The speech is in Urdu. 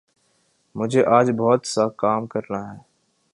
مجھے آج بہت سا کام کرنا ہے